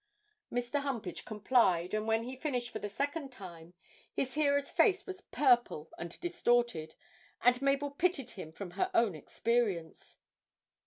Mr. Humpage complied, and when he finished for the second time, his hearer's face was purple and distorted, and Mabel pitied him from her own experience.